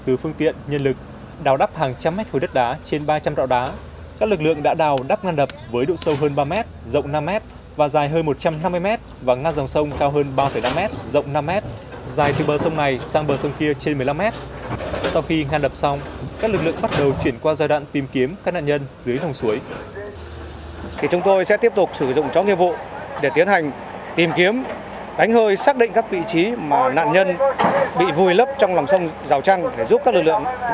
từ phương tiện đến phương tiện các lực lượng đã ngăn đập nắn dòng được như sáng nay trong thời gian qua các lực lượng đã huy động tổng lực